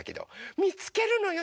みつけるのよ！